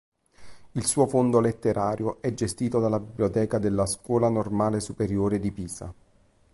Il suo fondo letterario è gestito dalla Biblioteca della Scuola Normale Superiore di Pisa.